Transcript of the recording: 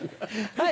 はい。